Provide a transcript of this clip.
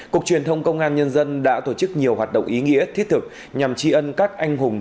cục truyền thông công an nhân dân đã tổ chức nhiều hoạt động ý nghĩa thiết thực nhằm tri ân các anh hùng